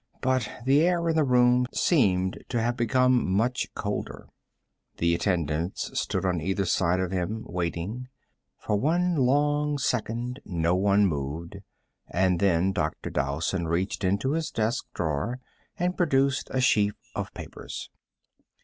But the air in the room seemed to have become much colder. The attendants stood on either side of him, waiting. For one long second no one moved, and then Dr. Dowson reached into his desk drawer and produced a sheaf of papers.